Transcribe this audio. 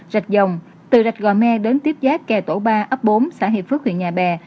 rạch dòng từ rạch gò me đến tiếp giáp kè tổ ba ấp bốn xã hiệp phước huyện nhà bè